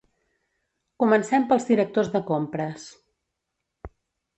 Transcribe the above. Comencem pels directors de compres.